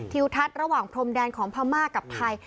ทัศน์ระหว่างพรมแดนของพม่ากับไทย